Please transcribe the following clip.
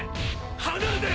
離れて！